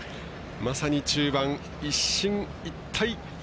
まさに中盤、一進一退。